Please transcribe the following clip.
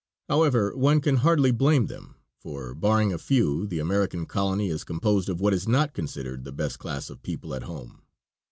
However, one can hardly blame them, for, barring a few, the American colony is composed of what is not considered the better class of people at home.